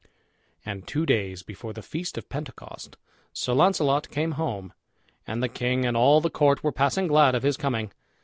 And two days before the feast of Pentecost, Sir Launcelot came home; and the king and all the court were passing glad of his coming.